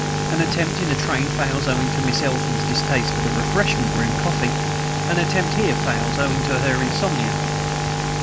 An attempt in a train fails owing to Miss Eltham's distaste for refreshment room coffee. An attempt here fails owing to her insomnia.